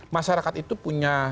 masyarakat itu punya